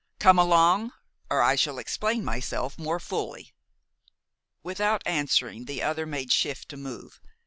"Come along, or I shall explain myself more fully!" Without answering, the other made shift to move.